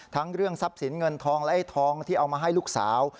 ทั้งเรื่องทรัพย์สินเงินทองและไอ้ทองที่เอามาให้ลูกสาว